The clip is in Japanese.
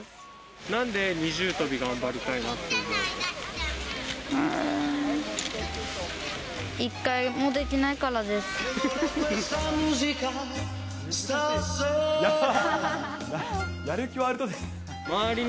なんで二重跳び頑張りたいなって思うの？